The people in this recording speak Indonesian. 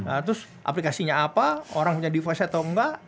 nah terus aplikasinya apa orang punya device atau enggak